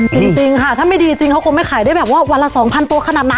จริงค่ะถ้าไม่ดีจริงเขาคงไม่ขายได้แบบว่าวันละ๒๐๐ตัวขนาดนั้น